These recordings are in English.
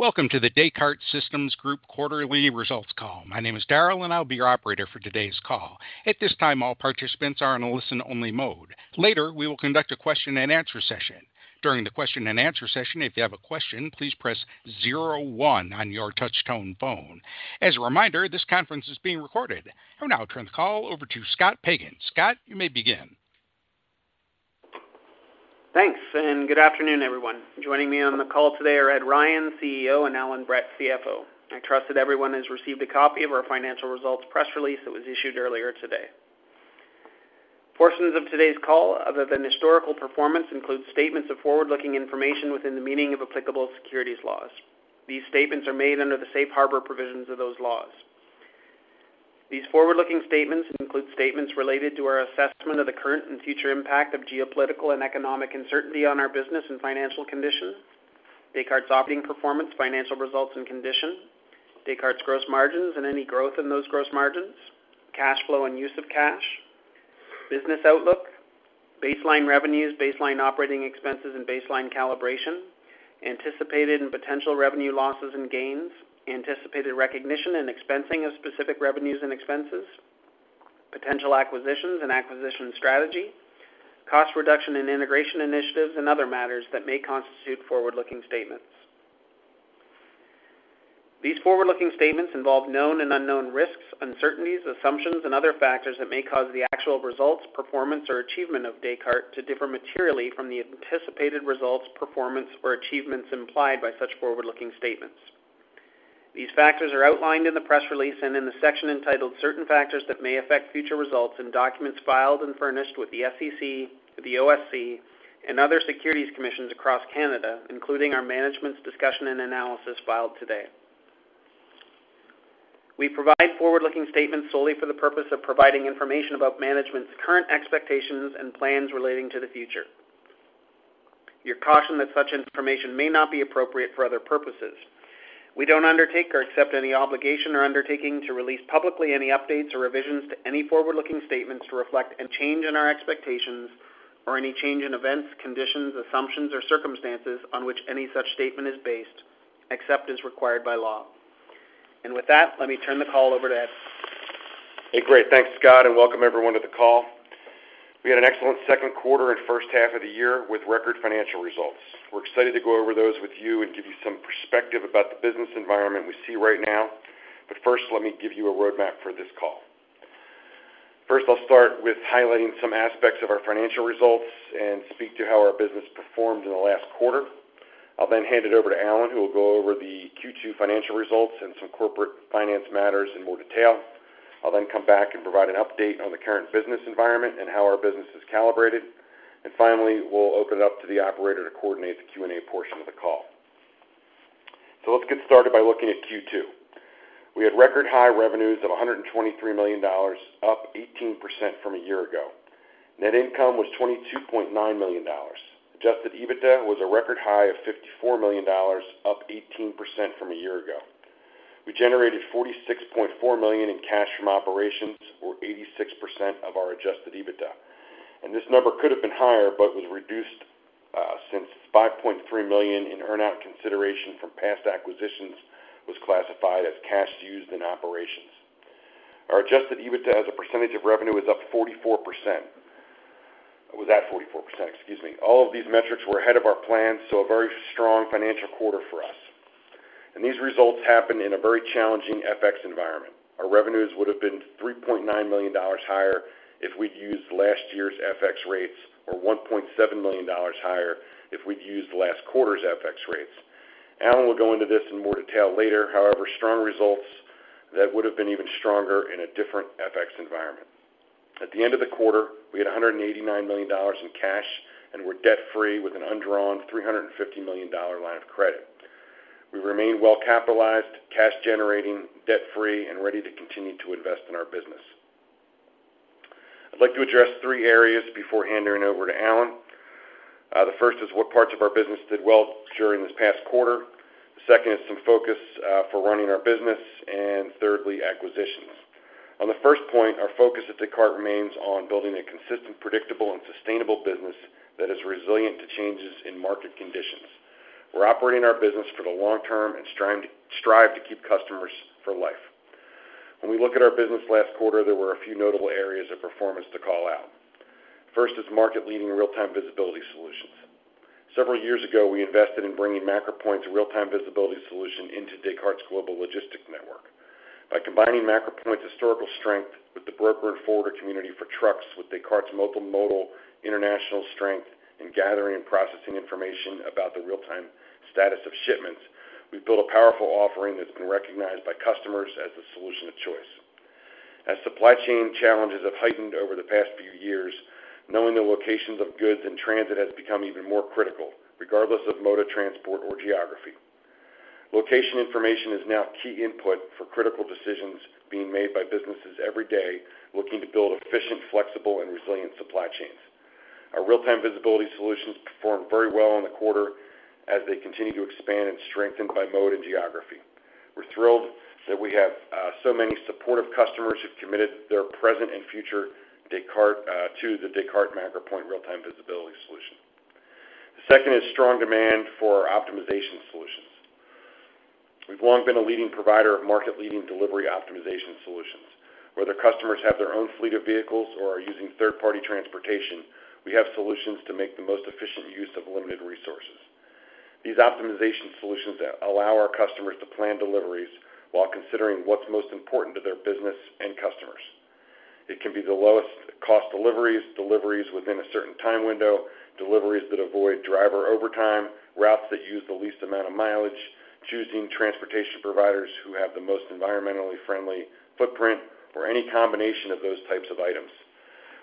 Welcome to the The Descartes Systems Group quarterly results call. My name is Daryl, and I'll be your operator for today's call. At this time, all participants are in a listen-only mode. Later, we will conduct a question-and-answer session. During the question-and-answer session, if you have a question, please press zero one on your touchtone phone. As a reminder, this conference is being recorded. I'll now turn the call over to Scott Pagan. Scott, you may begin. Thanks, and good afternoon, everyone. Joining me on the call today are Ed Ryan, CEO, and Allan Brett, CFO. I trust that everyone has received a copy of our financial results press release that was issued earlier today. Portions of today's call, other than historical performance, include statements of forward-looking information within the meaning of applicable securities laws. These statements are made under the Safe Harbor provisions of those laws. These forward-looking statements include statements related to our assessment of the current and future impact of geopolitical and economic uncertainty on our business and financial condition, Descartes' operating performance, financial results and condition, Descartes' gross margins and any growth in those gross margins, cash flow and use of cash, business outlook, baseline revenues, baseline operating expenses and baseline calibration, anticipated and potential revenue losses and gains, anticipated recognition and expensing of specific revenues and expenses, potential acquisitions and acquisition strategy, cost reduction and integration initiatives and other matters that may constitute forward-looking statements. These forward-looking statements involve known and unknown risks, uncertainties, assumptions, and other factors that may cause the actual results, performance, or achievement of Descartes to differ materially from the anticipated results, performance, or achievements implied by such forward-looking statements. These factors are outlined in the press release and in the section entitled Certain Factors That May Affect Future Results in documents filed and furnished with the SEC, the OSC, and other securities commissions across Canada, including our management's discussion and analysis filed today. We provide forward-looking statements solely for the purpose of providing information about management's current expectations and plans relating to the future. You are cautioned that such information may not be appropriate for other purposes. We don't undertake or accept any obligation or undertaking to release publicly any updates or revisions to any forward-looking statements to reflect any change in our expectations or any change in events, conditions, assumptions, or circumstances on which any such statement is based, except as required by law. With that, let me turn the call over to Ed. Hey, great. Thanks, Scott, and welcome everyone to the call. We had an excellent Q2 and first half of the year with record financial results. We're excited to go over those with you and give you some perspective about the business environment we see right now. First, let me give you a roadmap for this call. First, I'll start with highlighting some aspects of our financial results and speak to how our business performed in the last quarter. I'll then hand it over to Allan, who will go over the Q2 financial results and some corporate finance matters in more detail. I'll then come back and provide an update on the current business environment and how our business is calibrated. Finally, we'll open it up to the operator to coordinate the Q&A portion of the call. Let's get started by looking at Q2. We had record high revenues of $123 million, up 18% from a year ago. Net income was $22.9 million. Adjusted EBITDA was a record high of $54 million, up 18% from a year ago. We generated $46.4 million in cash from operations, or 86% of our adjusted EBITDA. This number could have been higher but was reduced, since $5.3 million in earn-out consideration from past acquisitions was classified as cash used in operations. Our adjusted EBITDA as a percentage of revenue is up 44%. It was at 44%, excuse me. All of these metrics were ahead of our plan, so a very strong financial quarter for us. These results happened in a very challenging FX environment. Our revenues would have been $3.9 million higher if we'd used last year's FX rates or $1.7 million higher if we'd used last quarter's FX rates. Allan will go into this in more detail later. However, strong results that would have been even stronger in a different FX environment. At the end of the quarter, we had $189 million in cash, and we are debt-free with an undrawn $350 million line of credit. We remain well-capitalized, cash generating, debt-free, and ready to continue to invest in our business. I'd like to address three areas before handing it over to Allan. The first is what parts of our business did well during this past quarter. The second is some focus for running our business. Thirdly, acquisitions. On the first point, our focus at Descartes remains on building a consistent, predictable, and sustainable business that is resilient to changes in market conditions. We are operating our business for the long term and strive to keep customers for life. When we look at our business last quarter, there were a few notable areas of performance to call out. First is market-leading real-time visibility solutions. Several years ago, we invested in bringing MacroPoint's real-time visibility solution into Descartes' Global Logistics Network. By combining MacroPoint's historical strength with the broker and forwarder community for trucks with Descartes' multi-modal international strength in gathering and processing information about the real-time status of shipments, we've built a powerful offering that's been recognized by customers as the solution of choice. As supply chain challenges have heightened over the past few years, knowing the locations of goods in transit has become even more critical, regardless of mode of transport or geography. Location information is now key input for critical decisions being made by businesses every day looking to build efficient, flexible, and resilient supply chains. Our real-time visibility solutions performed very well in the quarter as they continue to expand and strengthen by mode and geography. Thrilled that we have, so many supportive customers who've committed their present and future Descartes, to the Descartes MacroPoint real-time visibility solution. The second is strong demand for optimization solutions. We've long been a leading provider of market-leading delivery optimization solutions. Whether customers have their own fleet of vehicles or are using third-party transportation, we have solutions to make the most efficient use of limited resources. These optimization solutions that allow our customers to plan deliveries while considering what's most important to their business and customers. It can be the lowest cost deliveries within a certain time window, deliveries that avoid driver overtime, routes that use the least amount of mileage, choosing transportation providers who have the most environmentally friendly footprint, or any combination of those types of items.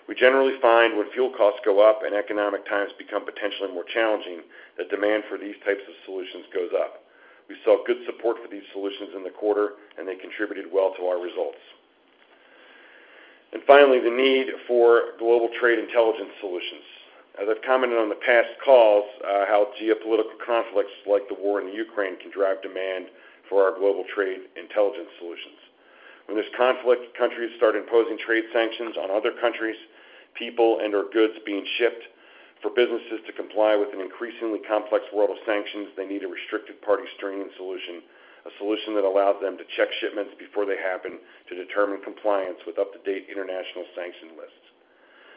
We generally find when fuel costs go up and economic times become potentially more challenging, the demand for these types of solutions goes up. We saw good support for these solutions in the quarter, and they contributed well to our results. Finally, the need for global trade intelligence solutions. As I have commented on the past calls, how geopolitical conflicts like the war in Ukraine can drive demand for our global trade intelligence solutions. When there is conflict, countries start imposing trade sanctions on other countries, people and/or goods being shipped. For businesses to comply with an increasingly complex world of sanctions, they need a restricted party screening solution, a solution that allows them to check shipments before they happen to determine compliance with up-to-date international sanction lists.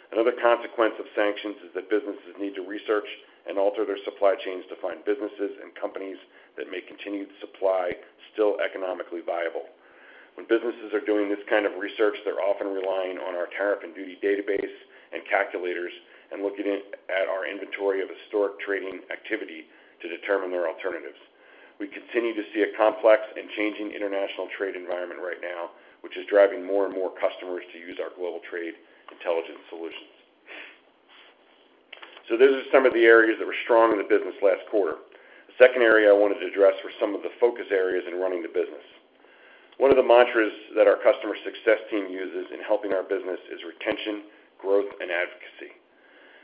Another consequence of sanctions is that businesses need to research and alter their supply chains to find businesses and companies that may continue to supply still economically viable. When businesses are doing this kind of research, they are often relying on our tariff and duty database and calculators and looking at our inventory of historic trading activity to determine their alternatives. We continue to see a complex and changing international trade environment right now, which is driving more and more customers to use our global trade intelligence solutions. Those are some of the areas that were strong in the business last quarter. The second area I wanted to address were some of the focus areas in running the business. One of the mantras that our customer success team uses in helping our business is retention, growth, and advocacy,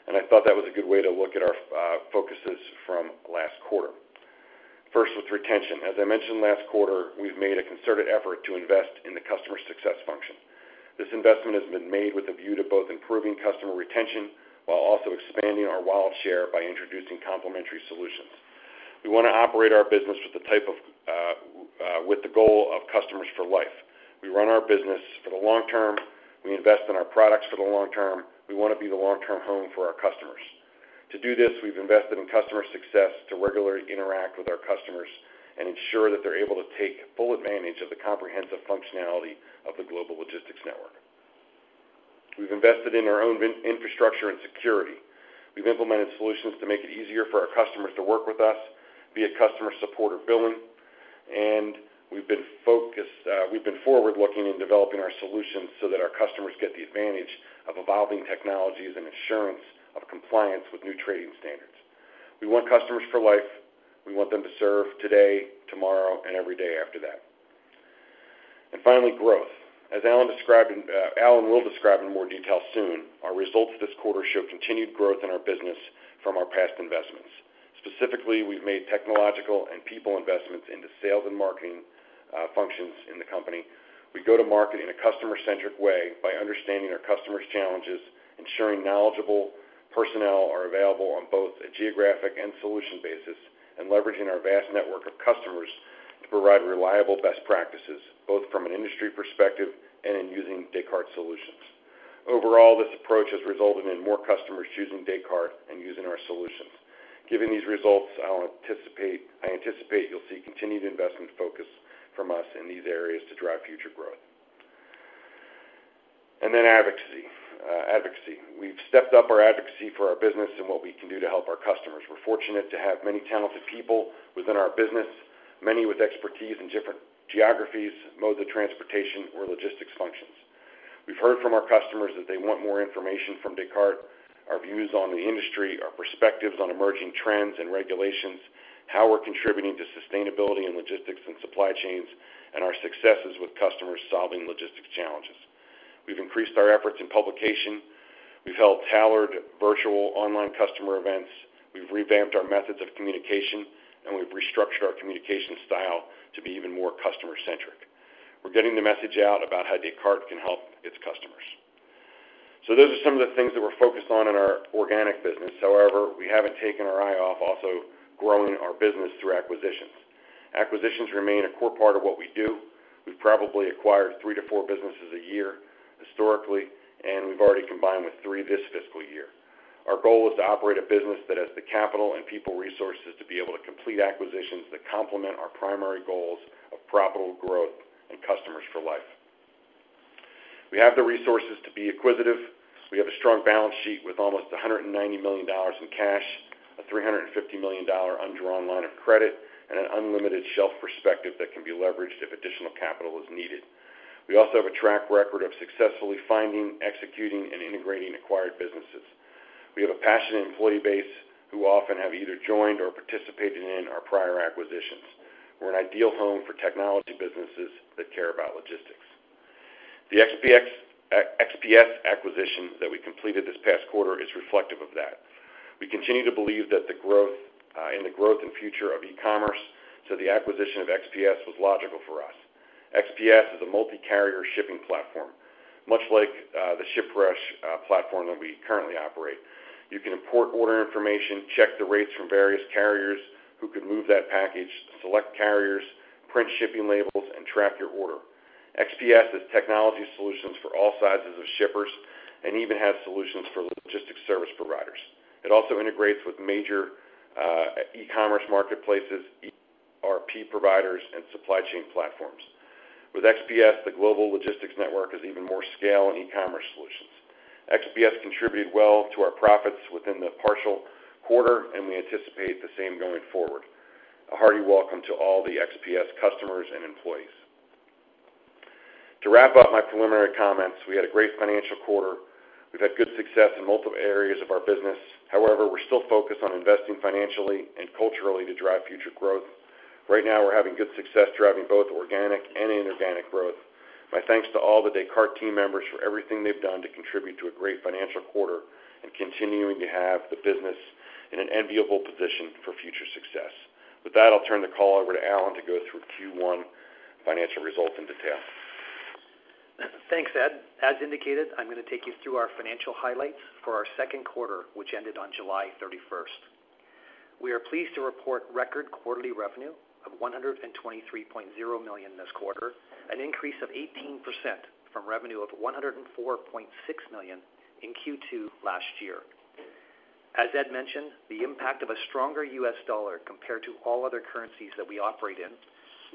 and I thought that was a good way to look at our focuses from last quarter. First with retention. As I mentioned last quarter, we've made a concerted effort to invest in the customer success function. This investment has been made with a view to both improving customer retention while also expanding our wallet share by introducing complementary solutions. We wanna operate our business with the goal of customers for life. We run our business for the long term. We invest in our products for the long term. We wanna be the long-term home for our customers. To do this, we have invested in customer success to regularly interact with our customers and ensure that they are able to take full advantage of the comprehensive functionality of the Global Logistics Network. We've invested in our own infrastructure and security. We have implemented solutions to make it easier for our customers to work with us, be it customer support or billing, and we've been focused, we've been forward-looking in developing our solutions so that our customers get the advantage of evolving technologies and assurance of compliance with new trading standards. We want customers for life. We want them to serve today, tomorrow, and every day after that. Finally, growth. As Allan will describe in more detail soon, our results this quarter show continued growth in our business from our past investments. Specifically, we've made technological and people investments into sales and marketing functions in the company. We go to market in a customer-centric way by understanding our customers' challenges, ensuring knowledgeable personnel are available on both a geographic and solution basis, and leveraging our vast network of customers to provide reliable best practices, both from an industry perspective and in using Descartes solutions. Overall, this approach has resulted in more customers choosing Descartes and using our solutions. Given these results, I anticipate you'll see continued investment focus from us in these areas to drive future growth. Advocacy. We have stepped up our advocacy for our business and what we can do to help our customers. We're fortunate to have many talented people within our business, many with expertise in different geographies, modes of transportation or logistics functions. We've heard from our customers that they want more information from Descartes, our views on the industry, our perspectives on emerging trends and regulations, how we're contributing to sustainability in logistics and supply chains, and our successes with customers solving logistics challenges. We've increased our efforts in publication. We've held tailored virtual online customer events. We've revamped our methods of communication, and we've restructured our communication style to be even more customer-centric. We're getting the message out about how Descartes can help its customers. Those are some of the things that we're focused on in our organic business. However, we haven't taken our eye off also growing our business through acquisitions. Acquisitions remain a core part of what we do. We've probably acquired 3-4 businesses a year historically, and we've already combined with 3 this fiscal year. Our goal is to operate a business that has the capital and people resources to be able to complete acquisitions that complement our primary goals of profitable growth and customers for life. We have the resources to be acquisitive. We have a strong balance sheet with almost $190 million in cash, a $350 million undrawn line of credit, and an unlimited shelf prospectus that can be leveraged if additional capital is needed. We also have a track record of successfully finding, executing, and integrating acquired businesses. We have a passionate employee base who often have either joined or participated in our prior acquisitions. We're an ideal home for technology businesses that care about logistics. The XPS acquisition that we completed this past quarter is reflective of that. We continue to believe that the growth in the future of e-commerce. The acquisition of XPS was logical for us. XPS is a multi-carrier shipping platform, much like the ShipRush platform that we currently operate. You can import order information, check the rates from various carriers who can move that package, select carriers, print shipping labels, and track your order. XPS is technology solutions for all sizes of shippers and even has solutions for logistics service providers. It also integrates with major e-commerce marketplaces, ERP providers, and supply chain platforms. With XPS, the Global Logistics Network is even more scalable in e-commerce solutions. XPS contributed well to our profits within the partial quarter, and we anticipate the same going forward. A hearty welcome to all the XPS customers and employees. To wrap up my preliminary comments, we had a great financial quarter. We've had good success in multiple areas of our business. However, we are still focused on investing financially and culturally to drive future growth. Right now, we're having good success driving both organic and inorganic growth. My thanks to all the Descartes team members for everything they've done to contribute to a great financial quarter and continuing to have the business in an enviable position for future success. With that, I'll turn the call over to Allan to go through Q1 financial results in detail. Thanks, Ed. As indicated, I'm gonna take you through our financial highlights for our Q2, which ended on July 31st. We are pleased to report record quarterly revenue of $123.0 million this quarter, an increase of 18% from revenue of $104.6 million in Q2 last year. As Ed mentioned, the impact of a stronger US dollar compared to all other currencies that we operate in,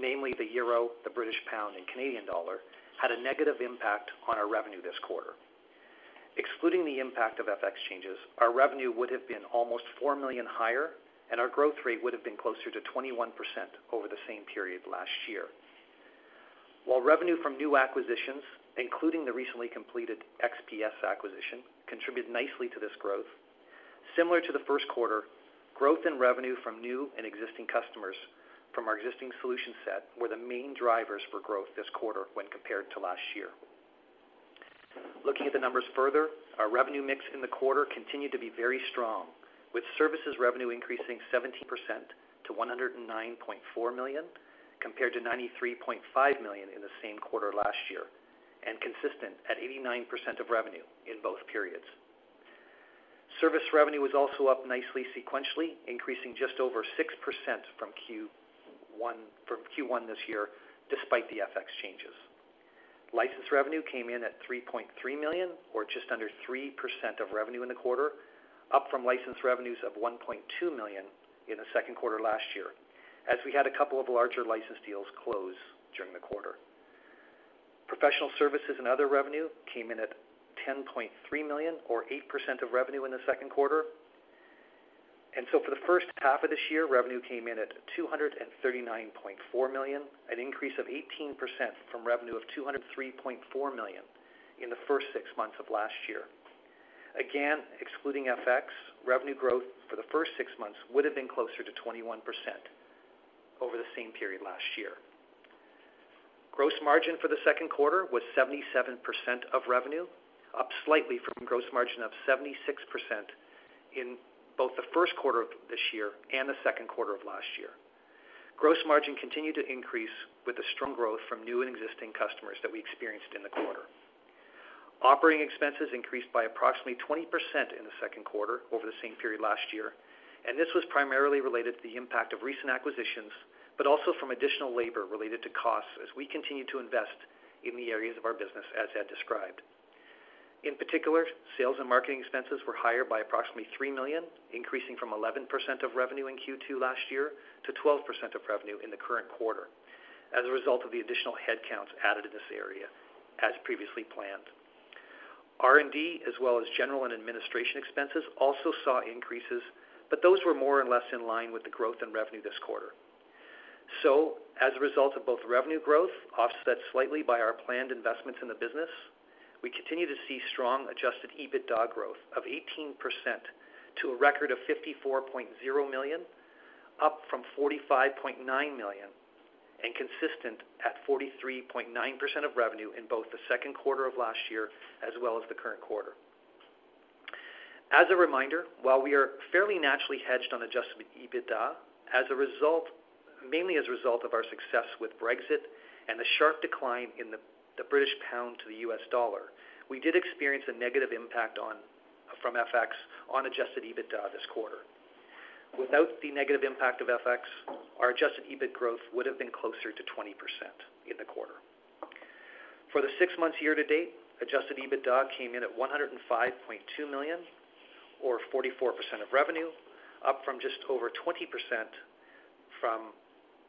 namely the euro, the British pound, and Canadian dollar, had a negative impact on our revenue this quarter. Excluding the impact of FX changes, our revenue would have been almost $4 million higher, and our growth rate would have been closer to 21% over the same period last year. While revenue from new acquisitions, including the recently completed XPS acquisition, contribute nicely to this growth, similar to the Q1, growth in revenue from new and existing customers from our existing solution set were the main drivers for growth this quarter when compared to last year. Looking at the numbers further, our revenue mix in the quarter continued to be very strong, with services revenue increasing 17% to $109.4 million, compared to $93.5 million in the same quarter last year, and consistent at 89% of revenue in both periods. Service revenue was also up nicely sequentially, increasing just over 6% from Q1 this year, despite the FX changes. License revenue came in at $3.3 million or just under 3% of revenue in the quarter, up from license revenues of $1.2 million in the Q2 last year, as we had a couple of larger license deals close during the quarter. Professional services and other revenue came in at $10.3 million or 8% of revenue in the Q2. For the first half of this year, revenue came in at $239.4 million, an increase of 18% from revenue of $203.4 million in the first six months of last year. Again, excluding FX, revenue growth for the first six months would have been closer to 21% over the same period last year. Gross margin for the Q2 was 77% of revenue, up slightly from gross margin of 76% in both the Q1 of this year and the Q2 of last year. Gross margin continued to increase with the strong growth from new and existing customers that we experienced in the quarter. Operating expenses increased by approximately 20% in the Q2 over the same period last year, and this was primarily related to the impact of recent acquisitions, but also from additional labor-related costs as we continue to invest in the areas of our business as Ed described. In particular, sales and marketing expenses were higher by approximately $3 million, increasing from 11% of revenue in Q2 last year to 12% of revenue in the current quarter as a result of the additional headcounts added in this area as previously planned. R&D, as well as general and administrative expenses, also saw increases, but those were more or less in line with the growth in revenue this quarter. As a result of both revenue growth offset slightly by our planned investments in the business, we continue to see strong adjusted EBITDA growth of 18% to a record of $54.0 million, up from $45.9 million and consistent at 43.9% of revenue in both the Q2 of last year as well as the current quarter. As a reminder, while we are fairly naturally hedged on adjusted EBITDA, as a result, mainly as a result of our success with Brexit and the sharp decline in the British pound to the U.S. dollar, we did experience a negative impact from FX on adjusted EBITDA this quarter. Without the negative impact of FX, our adjusted EBIT growth would have been closer to 20% in the quarter. For the six months year-to-date, adjusted EBITDA came in at $105.2 million or 44% of revenue, up from just over 20% from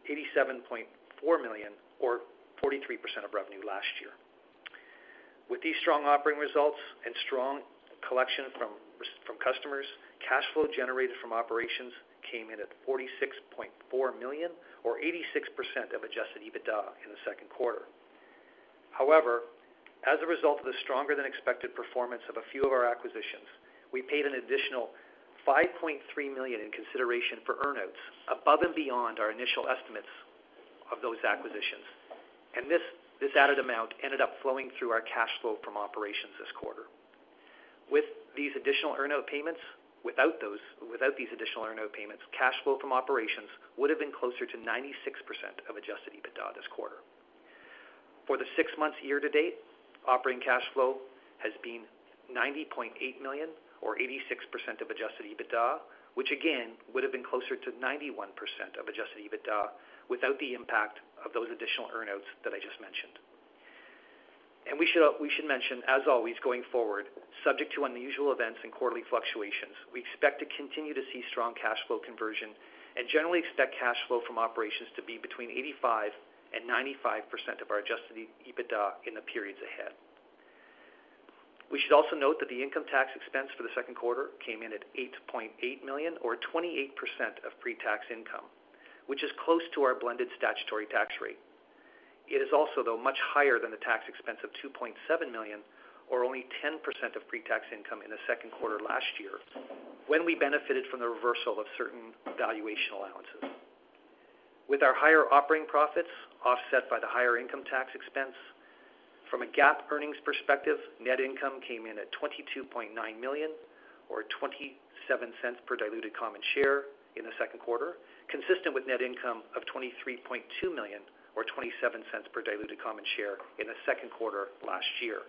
$87.4 million or 43% of revenue last year. With these strong operating results and strong collection from customers, cash flow generated from operations came in at $46.4 million or 86% of adjusted EBITDA in the Q2. However, as a result of the stronger than expected performance of a few of our acquisitions, we paid an additional $5.3 million in consideration for earnouts above and beyond our initial estimates of those acquisitions. This added amount ended up flowing through our cash flow from operations this quarter. Without these additional earnout payments, cash flow from operations would have been closer to 96% of adjusted EBITDA this quarter. For the six months year to date, operating cash flow has been $90.8 million or 86% of adjusted EBITDA, which again, would have been closer to 91% of adjusted EBITDA without the impact of those additional earnouts that I just mentioned. We should mention, as always, going forward, subject to unusual events and quarterly fluctuations, we expect to continue to see strong cash flow conversion and generally expect cash flow from operations to be between 85% and 95% of our adjusted EBITDA in the periods ahead. We should also note that the income tax expense for the Q2 came in at $8.8 million or 28% of pre-tax income, which is close to our blended statutory tax rate. It is also, though, much higher than the tax expense of $2.7 million, or only 10% of pre-tax income in the Q2 last year, when we benefited from the reversal of certain valuation allowances. With our higher operating profits offset by the higher income tax expense, from a GAAP earnings perspective, net income came in at $22.9 million or $0.27 per diluted common share in the Q2, consistent with net income of $23.2 million or $0.27 per diluted common share in the Q2 last year.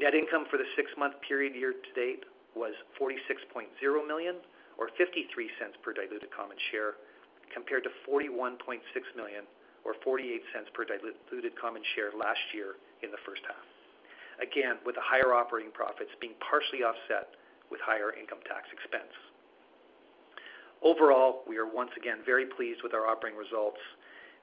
Net income for the six-month period year to date was $46.0 million or $0.53 per diluted common share, compared to $41.6 million or $0.48 per diluted common share last year in the first half. Again, with the higher operating profits being partially offset with higher income tax expense. Overall, we are once again very pleased with our operating results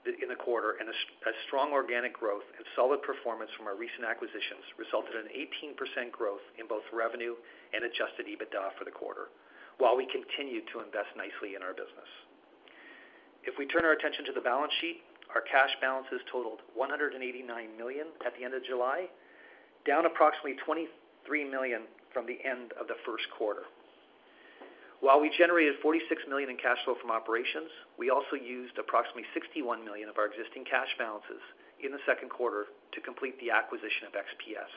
in the quarter and a strong organic growth and solid performance from our recent acquisitions resulted in 18% growth in both revenue and adjusted EBITDA for the quarter, while we continued to invest nicely in our business. If we turn our attention to the balance sheet, our cash balances totaled $189 million at the end of July, down approximately $23 million from the end of the Q1. While we generated $46 million in cash flow from operations, we also used approximately $61 million of our existing cash balances in the Q2 to complete the acquisition of XPS,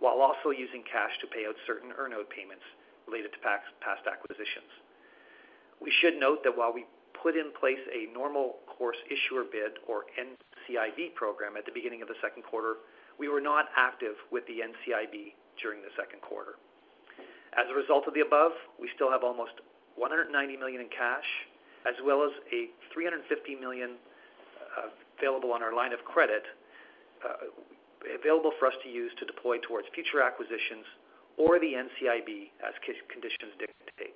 while also using cash to pay out certain earnout payments related to past acquisitions. We should note that while we put in place a normal course issuer bid or NCIB program at the beginning of the Q2, we were not active with the NCIB during the Q2. As a result of the above, we still have almost $190 million in cash, as well as $350 million available on our line of credit, available for us to use to deploy towards future acquisitions or the NCIB as conditions dictate.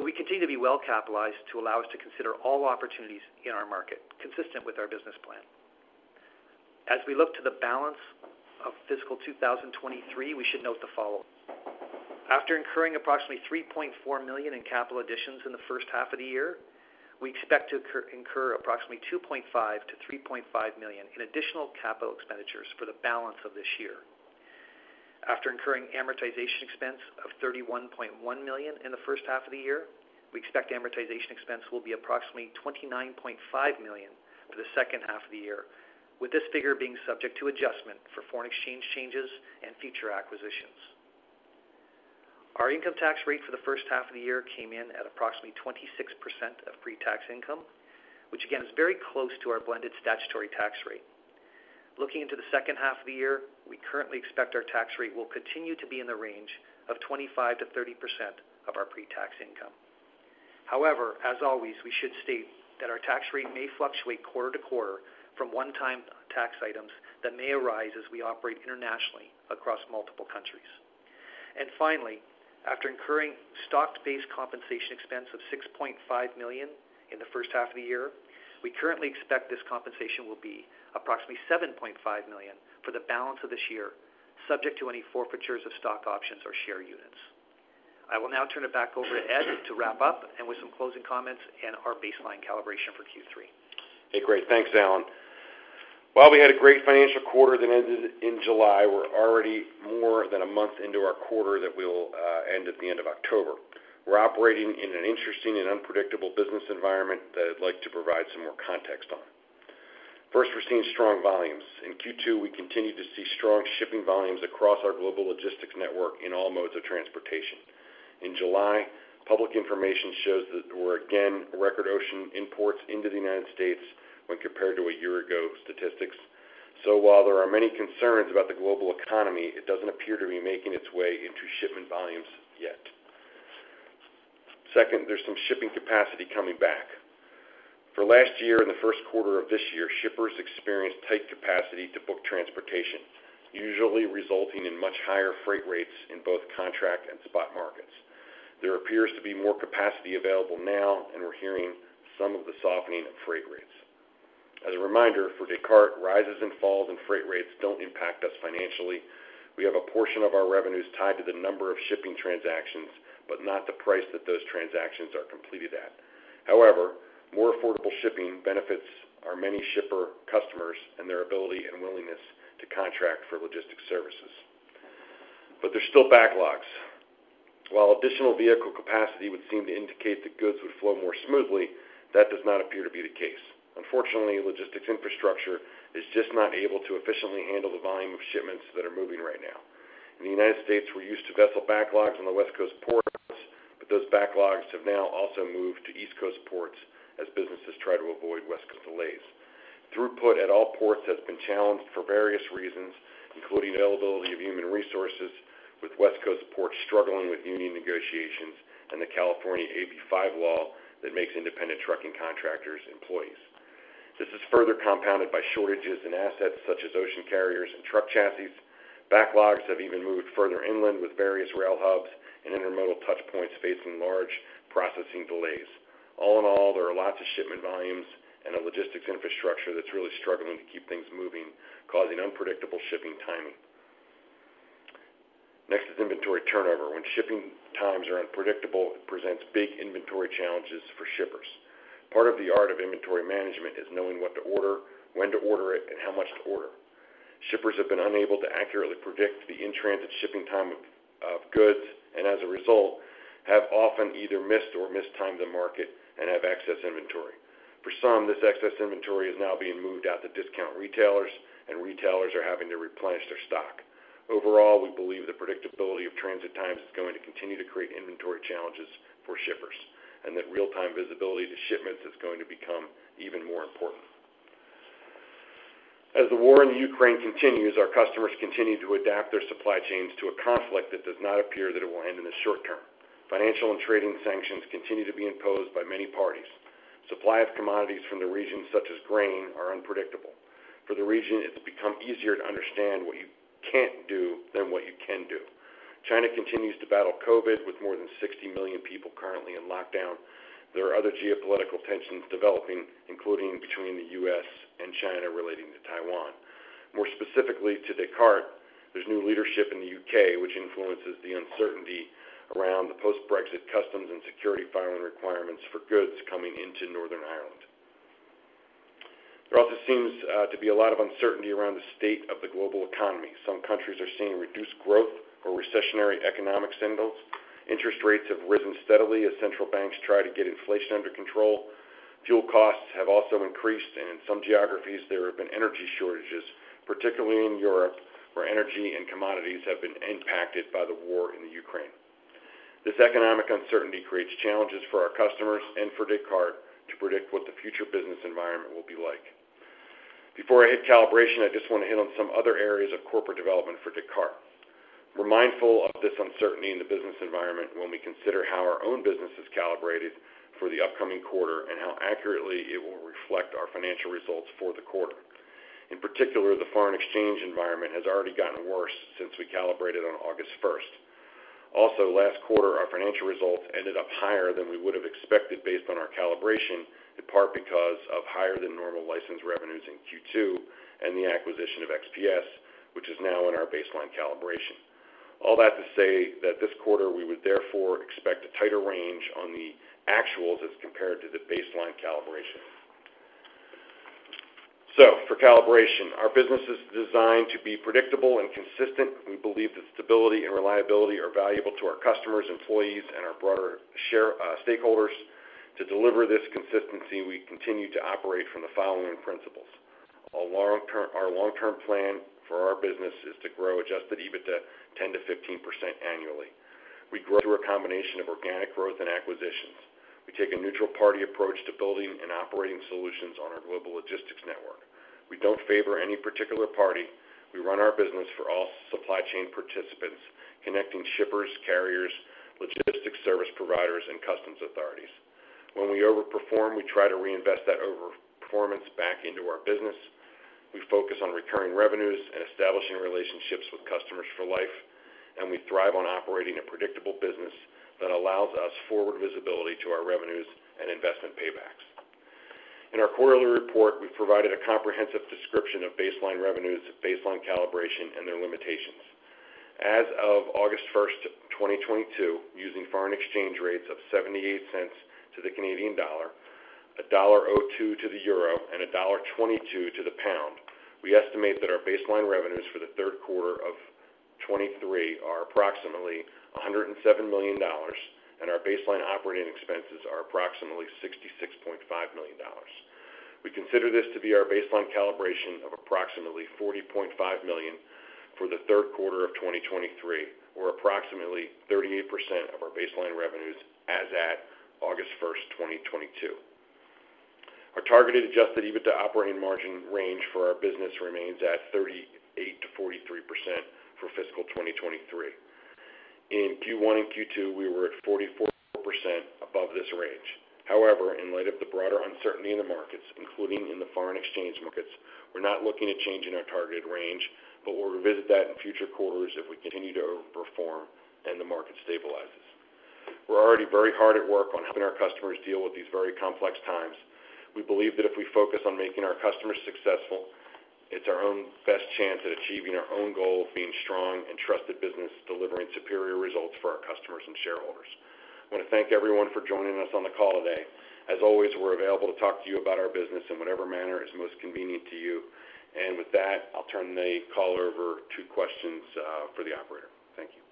We continue to be well-capitalized to allow us to consider all opportunities in our market consistent with our business plan. As we look to the balance of fiscal 2023, we should note the following. After incurring approximately $3.4 million in capital additions in the first half of the year, we expect to incur approximately $2.5-$3.5 million in additional capital expenditures for the balance of this year. After incurring amortization expense of $31.1 million in the first half of the year, we expect amortization expense will be approximately $29.5 million for the second half of the year, with this figure being subject to adjustment for foreign exchange changes and future acquisitions. Our income tax rate for the first half of the year came in at approximately 26% of pre-tax income, which again, is very close to our blended statutory tax rate. Looking into the second half of the year, we currently expect our tax rate will continue to be in the range of 25%-30% of our pre-tax income. However, as always, we should state that our tax rate may fluctuate quarter to quarter from one-time tax items that may arise as we operate internationally across multiple countries. Finally, after incurring stock-based compensation expense of $6.5 million in the first half of the year, we currently expect this compensation will be approximately $7.5 million for the balance of this year, subject to any forfeitures of stock options or share units. I will now turn it back over to Ed to wrap up and with some closing comments and our baseline calibration for Q3. Hey, great. Thanks, Allan. While we had a great financial quarter that ended in July, we're already more than a month into our quarter that will end at the end of October. We're operating in an interesting and unpredictable business environment that I'd like to provide some more context on. First, we're seeing strong volumes. In Q2, we continued to see strong shipping volumes across our Global Logistics Network in all modes of transportation. In July, public information shows that there were again record ocean imports into the United States when compared to a year ago statistics. While there are many concerns about the global economy, it doesn't appear to be making its way into shipment volumes yet. Second, there is some shipping capacity coming back. For last year and the Q1 of this year, shippers experienced tight capacity to book transportation, usually resulting in much higher freight rates in both contract and spot markets. There appears to be more capacity available now, and we're hearing some of the softening of freight rates. As a reminder, for Descartes, rises and falls in freight rates don't impact us financially. We have a portion of our revenues tied to the number of shipping transactions, but not the price that those transactions are completed at. However, more affordable shipping benefits our many shipper customers and their ability and willingness to contract for logistics services. There is still backlogs. While additional vehicle capacity would seem to indicate that goods would flow more smoothly, that does not appear to be the case. Unfortunately, logistics infrastructure is just not able to efficiently handle the volume of shipments that are moving right now. In the United States, we're used to vessel backlogs on the West Coast ports, but those backlogs have now also moved to East Coast ports as businesses try to avoid West Coast delays. Throughput at all ports has been challenged for various reasons, including availability of human resources, with West Coast ports struggling with union negotiations, and the California AB5 law that makes independent trucking contractors employees. This is further compounded by shortages in assets such as ocean carriers and truck chassis. Backlogs have even moved further inland, with various rail hubs and intermodal touchpoints facing large processing delays. All in all, there are lots of shipment volumes and a logistics infrastructure that's really struggling to keep things moving, causing unpredictable shipping timing. Next is inventory turnover. When shipping times are unpredictable, it presents big inventory challenges for shippers. Part of the art of inventory management is knowing what to order, when to order it, and how much to order. Shippers have been unable to accurately predict the in-transit shipping time of goods, and as a result, have often either missed or mistimed the market and have excess inventory. For some, this excess inventory is now being moved out to discount retailers, and retailers are having to replenish their stock. Overall, we believe the predictability of transit times is going to continue to create inventory challenges for shippers, and that real-time visibility to shipments is going to become even more important. As the war in the Ukraine continues, our customers continue to adapt their supply chains to a conflict that does not appear that it will end in the short term. Financial and trading sanctions continue to be imposed by many parties. Supply of commodities from the region, such as grain, are unpredictable. For the region, it's become easier to understand what you can't do than what you can do. China continues to battle COVID, with more than 60 million people currently in lockdown. There are other geopolitical tensions developing, including between the U.S. and China relating to Taiwan. More specifically to Descartes, there is new leadership in the U.K., which influences the uncertainty around the post-Brexit customs and security filing requirements for goods coming into Northern Ireland. There also seems to be a lot of uncertainty around the state of the global economy. Some countries are seeing reduced growth or recessionary economic signals. Interest rates have risen steadily as central banks try to get inflation under control. Fuel costs have also increased. In some geographies, there have been energy shortages, particularly in Europe, where energy and commodities have been impacted by the war in Ukraine. This economic uncertainty creates challenges for our customers and for Descartes to predict what the future business environment will be like. Before I hit calibration, I just want to hit on some other areas of corporate development for Descartes. We are mindful of this uncertainty in the business environment when we consider how our own business is calibrated for the upcoming quarter and how accurately it will reflect our financial results for the quarter. In particular, the foreign exchange environment has already gotten worse since we calibrated on August first. Also, last quarter, our financial results ended up higher than we would have expected based on our calibration, in part because of higher than normal license revenues in Q2 and the acquisition of XPS, which is now in our baseline calibration. All that to say that this quarter, we would therefore expect a tighter range on the actuals as compared to the baseline calibration. For calibration, our business is designed to be predictable and consistent. We believe that stability and reliability are valuable to our customers, employees, and our broader stakeholders. To deliver this consistency, we continue to operate from the following principles. Our long-term plan for our business is to grow adjusted EBITDA 10%-15% annually. We grow through a combination of organic growth and acquisitions. We take a neutral party approach to building and operating solutions on our Global Logistics Network. We don't favor any particular party. We run our business for all supply chain participants, connecting shippers, carriers, logistics service providers, and customs authorities. When we overperform, we try to reinvest that overperformance back into our business. We focus on recurring revenues and establishing relationships with customers for life. We thrive on operating a predictable business that allows us forward visibility to our revenues and investment paybacks. In our quarterly report, we provided a comprehensive description of baseline revenues, baseline calibration, and their limitations. As of August 1, 2022, using foreign exchange rates of 78 cents to the Canadian dollar, $1.02 to the euro, and $1.22 to the pound, we estimate that our baseline revenues for the Q3 of 2023 are approximately $107 million, and our baseline operating expenses are approximately $66.5 million. We consider this to be our baseline calibration of approximately $40.5 million for the Q3 of 2023, or approximately 38% of our baseline revenues as at August 1, 2022. Our targeted adjusted EBITDA operating margin range for our business remains at 38%-43% for fiscal 2023. In Q1 and Q2, we were at 44% above this range. However, in light of the broader uncertainty in the markets, including in the foreign exchange markets, we're not looking at changing our targeted range, but we'll revisit that in future quarters if we continue to overperform and the market stabilizes. We're already very hard at work on helping our customers deal with these very complex times. We believe that if we focus on making our customers successful. It's our own best chance at achieving our own goal of being strong and trusted business, delivering superior results for our customers and shareholders. I want to thank everyone for joining us on the call today. As always, we're available to talk to you about our business in whatever manner is most convenient to you. With that, I'll turn the call over to questions, for the operator. Thank you.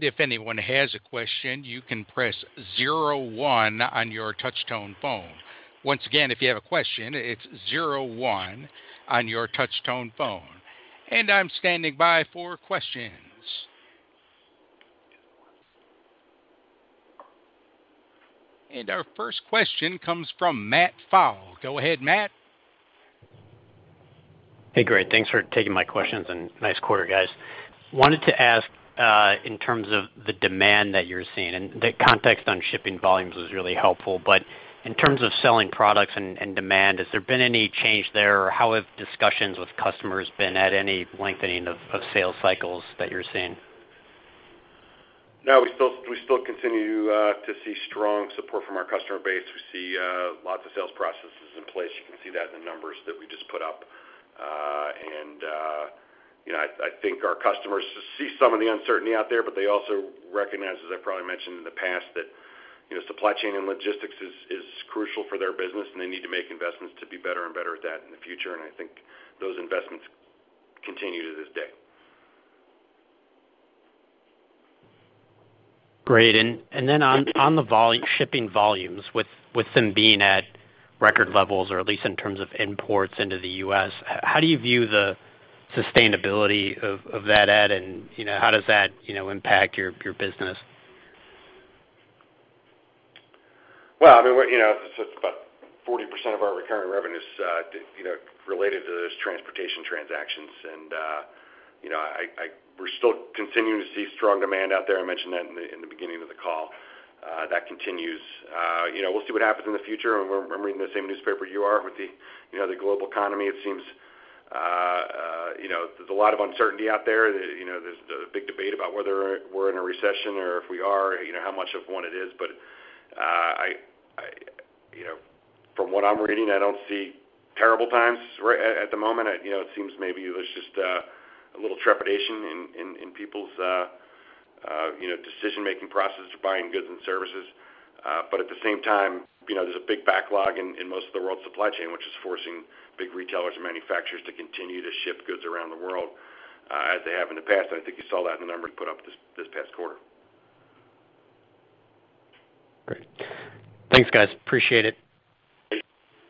If anyone has a question, you can press zero one on your touch-tone phone. Once again, if you have a question, it's zero one on your touch-tone phone. I'm standing by for questions. Our first question comes from Matt Pfau. Go ahead, Matt. Hey, great. Thanks for taking my questions and nice quarter, guys. Wanted to ask in terms of the demand that you're seeing, and the context on shipping volumes was really helpful. In terms of selling products and demand, has there been any change there? How have discussions with customers been? Any lengthening of sales cycles that you are seeing? No, we still continue to see strong support from our customer base. We see lots of sales processes in place. You can see that in the numbers that we just put up. You know, I think our customers see some of the uncertainty out there, but they also recognize, as I probably mentioned in the past, that, you know, supply chain and logistics is crucial for their business, and they need to make investments to be better and better at that in the future. I think those investments continue to this day. Great. Then on the shipping volumes, with them being at record levels, or at least in terms of imports into the U.S., how do you view the sustainability of that, Ed? You know, how does that, you know, impact your business? I mean, you know, it's about 40% of our recurring revenue is related to those transportation transactions. You know, we're still continuing to see strong demand out there. I mentioned that in the beginning of the call, that continues. You know, we'll see what happens in the future. I'm reading the same newspaper you are with the, you know, the global economy. It seems, you know, there's a lot of uncertainty out there. You know, there's the big debate about whether we are in a recession or if we are, you know, how much of one it is. You know, from what I'm reading, I don't see terrible times at the moment. You know, it seems maybe there is just a little trepidation in people's decision-making process for buying goods and services. At the same time, you know, there's a big backlog in most of the world supply chain, which is forcing big retailers and manufacturers to continue to ship goods around the world, as they have in the past. I think you saw that in the numbers we put up this past quarter. Great. Thanks, guys. Appreciate it.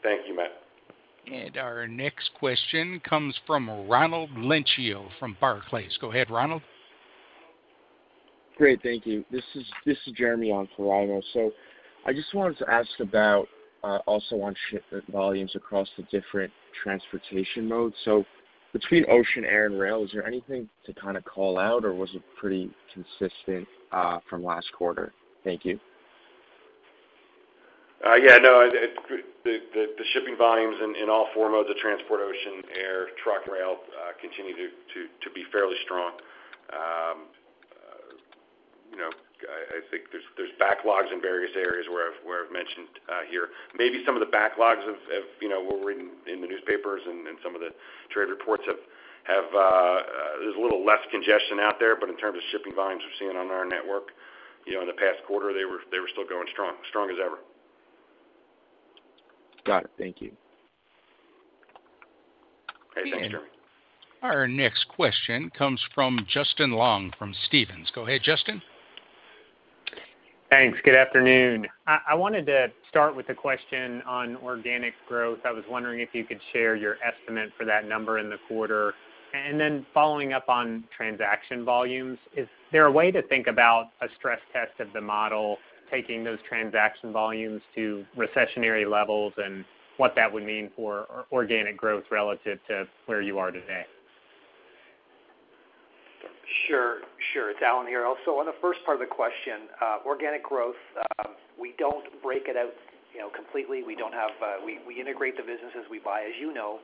Thank you, Matt. Our next question comes from Raimo Lenschow from Barclays. Go ahead, Raimo. Great. Thank you. This is Jeremy on for Raimo Lenschow. I just wanted to ask about also on ship volumes across the different transportation modes. Between ocean, air, and rail, is there anything to kind of call out, or was it pretty consistent from last quarter? Thank you. The shipping volumes in all four modes of transport, ocean, air, truck, rail, continue to be fairly strong. You know, I think there's backlogs in various areas where I've mentioned here. Maybe some of the backlogs of, you know, what we're reading in the newspapers and some of the trade reports have. There's a little less congestion out there. In terms of shipping volumes we're seeing on our network, you know, in the past quarter, they were still going strong as ever. Got it. Thank you. Okay. Thanks, Jeremy. Our next question comes from Justin Long from Stephens. Go ahead, Justin. Thanks. Good afternoon. I wanted to start with a question on organic growth. I was wondering if you could share your estimate for that number in the quarter. Then following up on transaction volumes, is there a way to think about a stress test of the model, taking those transaction volumes to recessionary levels and what that would mean for organic growth relative to where you are today? Sure. It's Allan here. On the first part of the question, organic growth, we don't break it out, you know, completely. We don't have, we integrate the businesses we buy, as you know.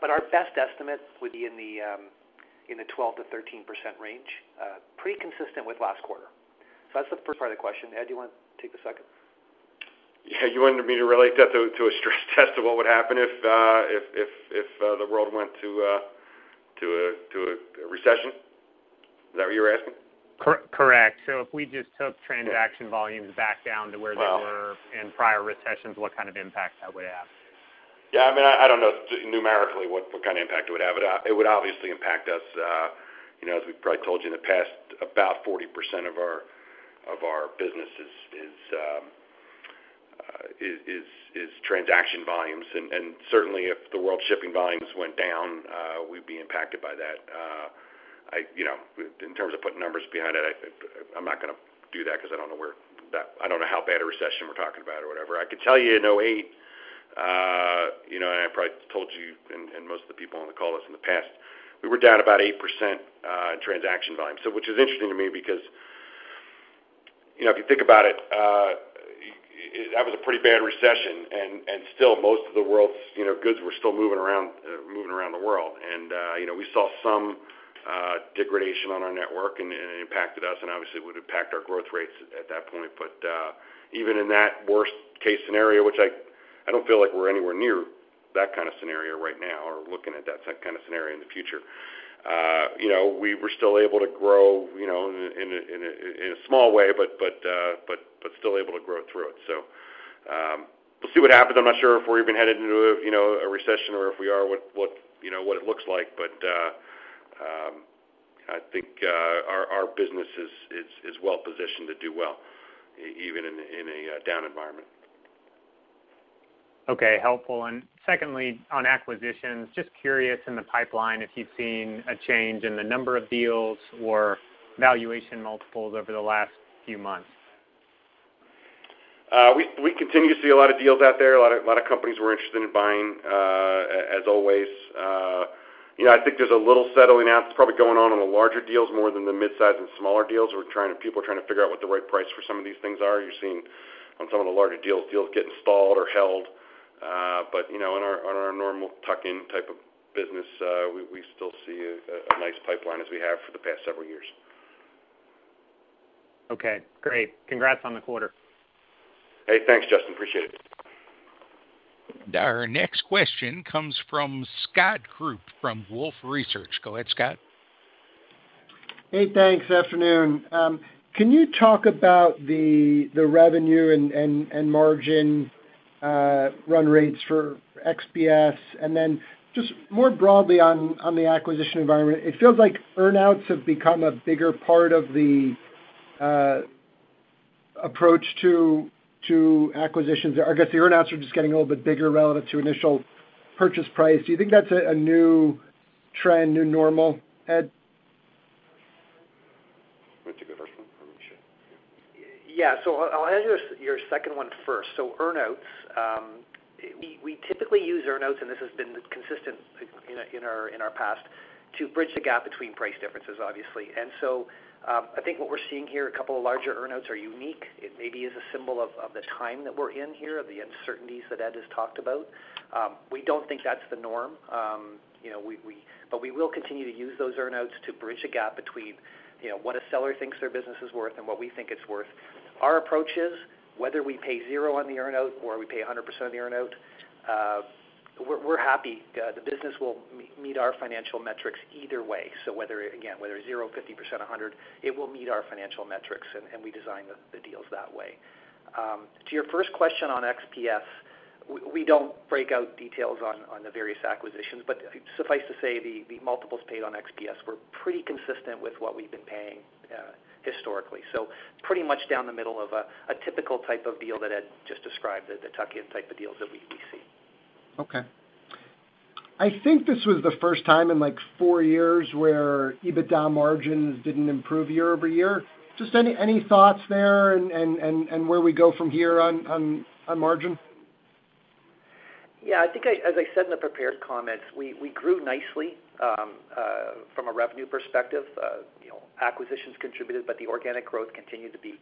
But our best estimate would be in the 12%-13% range, pretty consistent with last quarter. That's the first part of the question. Ed, do you want to take the second? Yeah. You wanted me to relate that to a stress test of what would happen if the world went to a recession? Is that what you're asking? Correct. If we just took transaction volumes back down to where they were in prior recessions, what kind of impact that would have? Yeah, I mean, I don't know numerically what kind of impact it would have. It would obviously impact us. You know, as we probably told you in the past, about 40% of our business is transaction volumes. Certainly if the world shipping volumes went down, we'd be impacted by that. You know, in terms of putting numbers behind it, I'm not going to do that because I don't know where that. I don't know how bad a recession we're talking about or whatever. I could tell you in 2008, you know, and I probably told you and most of the people on the call this in the past, we were down about 8% in transaction volume. Which is interesting to me because, you know, if you think about it, that was a pretty bad recession. Still most of the world's, you know, goods were still moving around the world. We saw some degradation on our network and it impacted us, and obviously it would impact our growth rates at that point. Even in that worst case scenario, which I don't feel like we are anywhere near that kind of scenario right now or looking at that kind of scenario in the future, you know, we were still able to grow, you know, in a small way, but still able to grow through it. We'll see what happens. I'm not sure if we're even headed into a you know a recession or if we are, what you know what it looks like. I think our business is well positioned to do well even in a down environment. Okay, helpful. Secondly, on acquisitions, just curious in the pipeline if you've seen a change in the number of deals or valuation multiples over the last few months. We continue to see a lot of deals out there, a lot of companies we're interested in buying, as always. You know, I think there is a little settling out probably going on in the larger deals more than the midsize and smaller deals. People are trying to figure out what the right price for some of these things are. You are seeing on some of the larger deals get stalled or held. You know, on our normal tuck-in type of business, we still see a nice pipeline as we have for the past several years. Okay, great. Congrats on the quarter. Hey, thanks, Justin. Appreciate it. Our next question comes from Scott Group from Wolfe Research. Go ahead, Scott. Hey, thanks. Afternoon. Can you talk about the revenue and margin run rates for XPS? Then just more broadly on the acquisition environment, it feels like earn-outs have become a bigger part of the approach to acquisitions. I guess the earn-outs are just getting a little bit bigger relative to initial purchase price. Do you think that's a new trend, new normal, Ed? Want to take the first one? Or should. Yeah. I'll answer your second one first. Earn-outs, we typically use earn-outs, and this has been consistent in our past, to bridge the gap between price differences, obviously. I think what we're seeing here, a couple of larger earn-outs are unique. It maybe is a symbol of the time that we're in here, of the uncertainties that Ed has talked about. We don't think that's the norm. You know, we will continue to use those earn-outs to bridge a gap between, you know, what a seller thinks their business is worth and what we think it's worth. Our approach is whether we pay 0 on the earn-out or we pay 100% of the earn-out, we're happy. The business will meet our financial metrics either way. Whether zero, 50%, 100%, it will meet our financial metrics, and we design the deals that way. To your first question on XPS, we don't break out details on the various acquisitions, but suffice to say, the multiples paid on XPS were pretty consistent with what we've been paying historically. Pretty much down the middle of a typical type of deal that Ed just described, the tuck-in type of deals that we see. Okay. I think this was the first time in, like, four years where EBITDA margins didn't improve year-over-year. Just any thoughts there on, and where we go from here on margin? Yeah, I think as I said in the prepared comments, we grew nicely from a revenue perspective. You know, acquisitions contributed, but the organic growth continued to be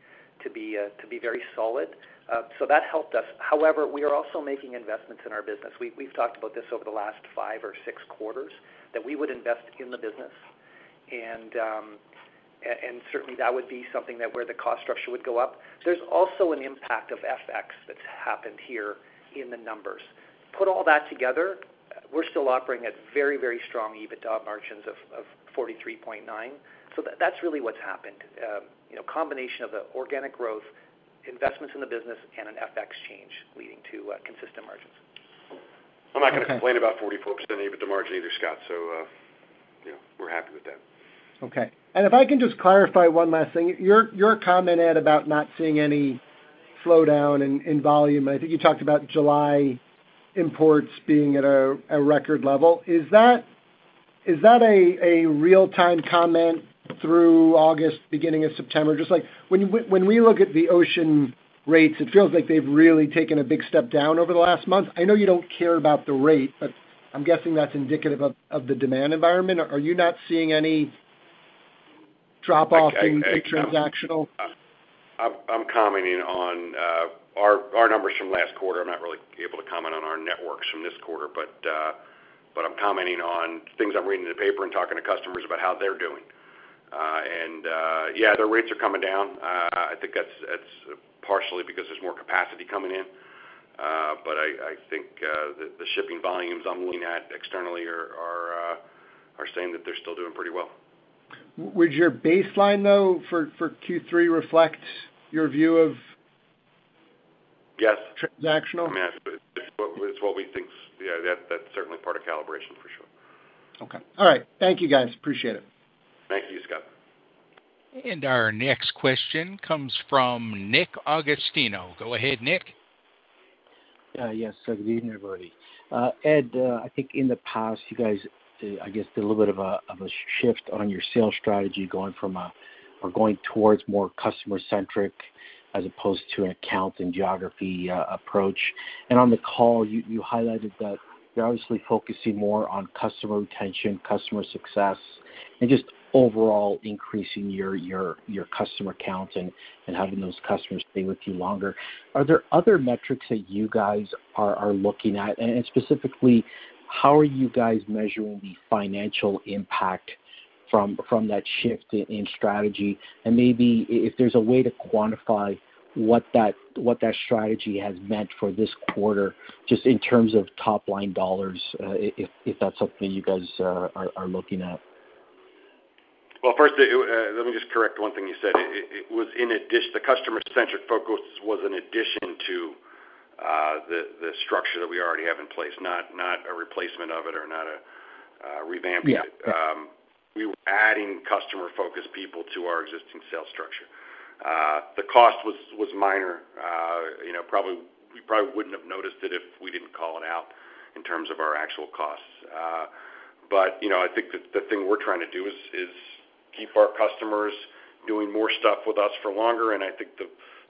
very solid. That helped us. However, we are also making investments in our business. We've talked about this over the last five or six quarters that we would invest in the business. Certainly, that would be something that where the cost structure would go up. There's also an impact of FX that's happened here in the numbers. Put all that together, we're still operating at very strong EBITDA margins of 43.9%. That's really what's happened. You know, combination of the organic growth, investments in the business, and an FX change leading to consistent margins. I'm not gonna complain about 44% EBITDA margin either, Scott. You know, we're happy with that. Okay. If I can just clarify one last thing. Your comment, Ed, about not seeing any slowdown in volume. I think you talked about July imports being at a record level. Is that a real-time comment through August, beginning of September? Just like when we look at the ocean rates, it feels like they've really taken a big step down over the last month. I know you don't care about the rate, but I'm guessing that's indicative of the demand environment. Are you not seeing any drop-off in transactional? I'm commenting on our numbers from last quarter. I'm not really able to comment on our networks from this quarter, but I'm commenting on things I'm reading in the paper and talking to customers about how they're doing. Their rates are coming down. I think that's partially because there's more capacity coming in. I think the shipping volumes I'm looking at externally are saying that they're still doing pretty well. Would your baseline, though, for Q3 reflect your view of? Yes transactional? I mean, that's what we think's. Yeah, that's certainly part of calibration, for sure. Okay. All right. Thank you, guys. Appreciate it. Thank you, Scott. Our next question comes from Nick Agostino. Go ahead, Nick. Yes, good evening, everybody. Ed, I think in the past, you guys, I guess, did a little bit of a shift on your sales strategy going from or going towards more customer-centric as opposed to an account and geography approach. On the call, you highlighted that you're obviously focusing more on customer retention, customer success, and just overall increasing your customer count and having those customers stay with you longer. Are there other metrics that you guys are looking at? Specifically, how are you guys measuring the financial impact from that shift in strategy? Maybe if there's a way to quantify what that strategy has meant for this quarter, just in terms of top line dollars, if that's something you guys are looking at. Well, first, let me just correct one thing you said. The customer-centric focus was an addition to the structure that we already have in place, not a replacement of it or not a revamp to it. Yeah. We were adding customer-focused people to our existing sales structure. The cost was minor. You know, you probably wouldn't have noticed it if we didn't call it out in terms of our actual costs. You know, I think the thing we're trying to do is keep our customers doing more stuff with us for longer, and I think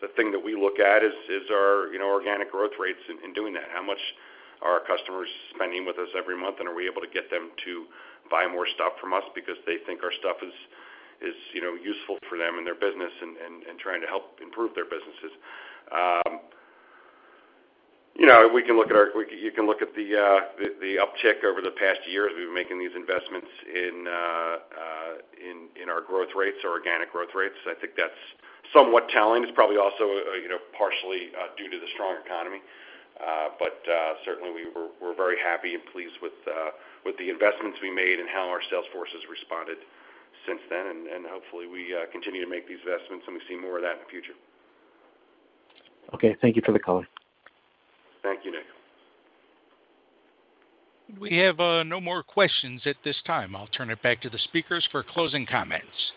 the thing that we look at is our organic growth rates in doing that. How much are our customers spending with us every month, and are we able to get them to buy more stuff from us because they think our stuff is useful for them and their business and trying to help improve their businesses. We can look at our. You can look at the uptick over the past year as we've been making these investments in our growth rates or organic growth rates. I think that's somewhat telling. It's probably also, you know, partially due to the strong economy. Certainly we're very happy and pleased with the investments we made and how our sales force has responded since then. Hopefully we continue to make these investments, and we see more of that in the future. Okay. Thank you for the color. Thank you, Nick. We have no more questions at this time. I'll turn it back to the speakers for closing comments.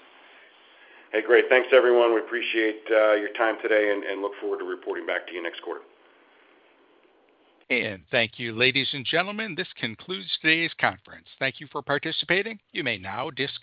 Hey, great. Thanks, everyone. We appreciate your time today and look forward to reporting back to you next quarter. Thank you, ladies and gentlemen. This concludes today's conference. Thank you for participating. You may now disconnect.